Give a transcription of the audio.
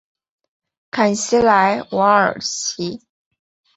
坎西莱瓦尔齐。